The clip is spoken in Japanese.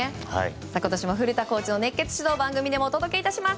今年も古田コーチの熱血指導を番組でもお届けいたします。